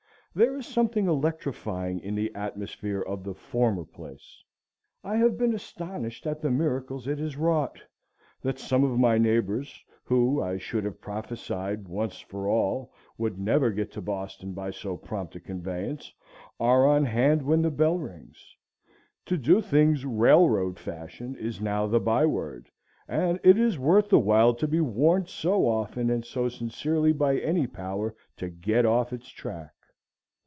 There is something electrifying in the atmosphere of the former place. I have been astonished at the miracles it has wrought; that some of my neighbors, who, I should have prophesied, once for all, would never get to Boston by so prompt a conveyance, are on hand when the bell rings. To do things "railroad fashion" is now the by word; and it is worth the while to be warned so often and so sincerely by any power to get off its track.